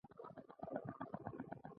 له تولیدي اړیکو څخه یوه مهمه موخه بله هم شته.